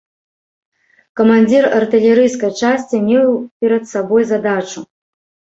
Камандзір артылерыйскай часці меў перад сабой задачу.